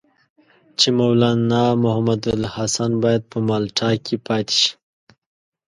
چې مولنا محمودالحسن باید په مالټا کې پاتې شي.